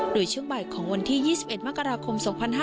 โดยช่วงบ่ายของวันที่๒๑มกราคม๒๕๕๙